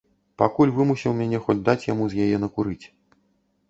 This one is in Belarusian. Пакуль вымусіў мяне хоць даць яму з яе накурыць.